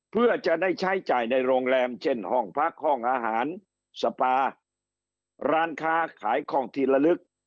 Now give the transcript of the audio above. เพื่อจะได้ใช้จ่ายในโรงแรมเช่นห้องพักห้องอาหารสปาร้านค้าขายของทีละลึก